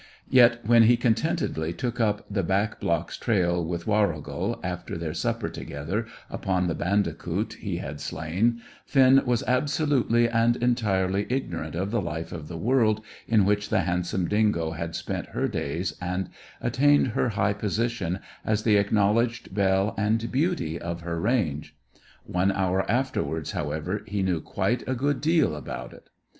Yet, when he contentedly took up the back blocks trail with Warrigal, after their supper together upon the bandicoot he had slain, Finn was absolutely and entirely ignorant of the life of the world in which the handsome dingo had spent her days and attained her high position as the acknowledged belle and beauty of her range. One hour afterwards, however, he knew quite a good deal about it.